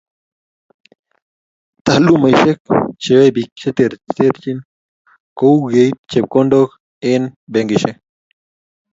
Taalumaisiek che yoei bik che terchin kou keit chepkondok eng benkisiek